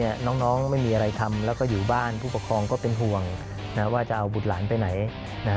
ติดเทิมน้องไม่มีอะไรทำแล้วก็อยู่บ้านผู้ประคองก็เป็นห่วงว่าจะเอาบุตรหลานไปไหน